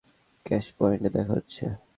ক্যাশপয়েন্টে দেখা হচ্ছে।